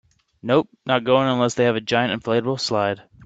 Nope, not going unless they have a giant inflatable slide.